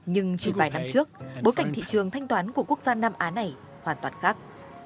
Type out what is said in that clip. nhưng chỉ vài năm trước bối cảnh thị trường thanh toán của quốc gia nam á này hoàn toàn khác